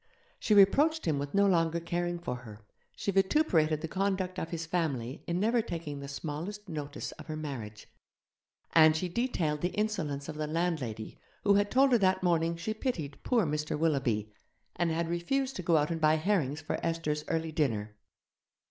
She reproached him with no longer caring for her; she vituperated the conduct of his family in never taking the smallest notice of her marriage; and she detailed the insolence of the landlady who had told her that morning she pitied 'poor Mr. Willoughby', and had refused to go out and buy herrings for Esther's early dinner.